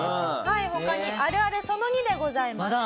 はい他にあるあるその２でございます。